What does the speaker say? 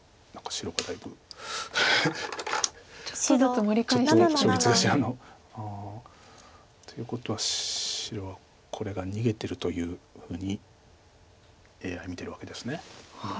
白７の七。ということは白はこれが逃げてるというふうにＡＩは見てるわけです。